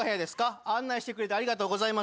案内してくれてありがとうございます。